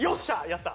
やった！